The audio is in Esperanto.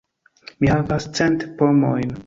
Mi havas cent pomojn.